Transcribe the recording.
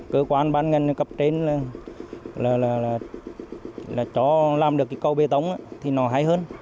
cơ quan bán ngân cấp trên là cho làm được cái câu bê tống thì nó hay hơn